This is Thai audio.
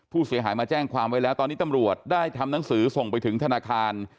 ผู้เสียหายมาแจ้งความไว้แล้วตอนนี้ตำรวจได้ทำหนังสือส่งไปถึงธนาคาร